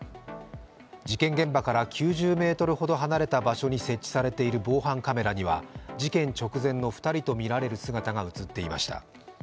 事件現場から９０ｍほど離れた場所に設置されている防犯カメラには事件直前の２人とみられる姿が映っていました。